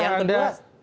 yang pertama yang kedua